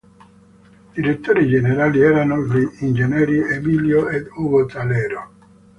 Direttori generali erano gli ingegneri Emilio ed Ugo Tallero.